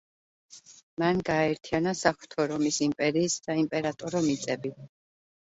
მან გააერთიანა საღვთო რომის იმპერიის საიმპერატორო მიწები.